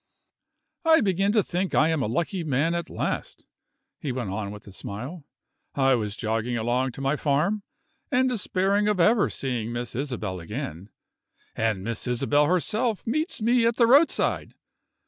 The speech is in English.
"I begin to think I am a lucky man at last," he went on with a smile. "I was jogging along to my farm, and despairing of ever seeing Miss Isabel again and Miss Isabel herself meets me at the roadside!